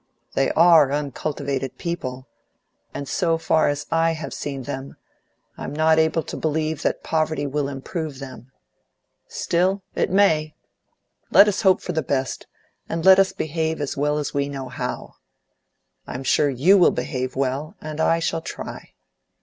They ARE uncultivated people, and so far as I have seen them, I'm not able to believe that poverty will improve them. Still, it may. Let us hope for the best, and let us behave as well as we know how. I'm sure YOU will behave well, and I shall try.